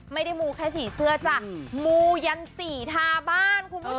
มูแค่สีเสื้อจ้ะมูยันสีทาบ้านคุณผู้ชม